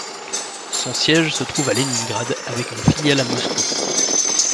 Son siège se trouve à Léningrad avec une filiale à Moscou.